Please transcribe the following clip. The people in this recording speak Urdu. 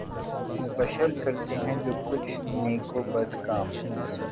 بشر کرتے ہیں جو کچھ نیک و بد کام